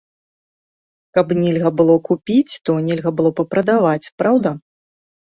Каб нельга было купіць, то нельга было б і прадаваць, праўда?